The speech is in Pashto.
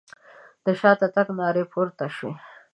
د شاته تګ نارې پورته شوې.